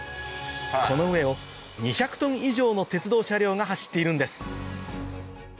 この上を２００トン以上の鉄道車両が走っているんです